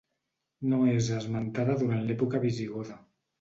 No és esmentada durant l'època visigoda.